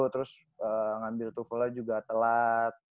terus ngambil tufulnya juga telat